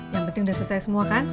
yang penting sudah selesai semua kan